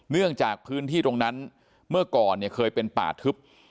เนื่องจากพื้นที่ตรงนั้นเมื่อก่อนเนี่ยเคยเป็นป่าทึบ